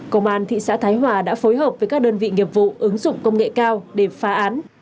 công an thị xã thái hòa đã phối hợp với các đơn vị nghiệp vụ ứng dụng công nghệ cao để phá án